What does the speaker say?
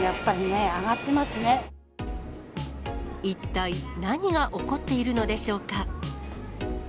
一体何が起こっているのでしょうか。